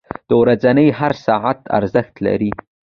• د ورځې هر ساعت ارزښت لري.